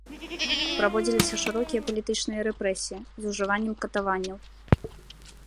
Праводзіліся шырокія палітычныя рэпрэсіі з ужываннем катаванняў.